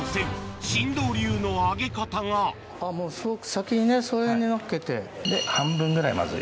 先にねそれにのっけて。